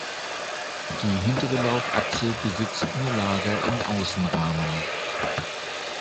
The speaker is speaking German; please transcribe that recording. Die hintere Laufachse besitzt nur Lager im Außenrahmen.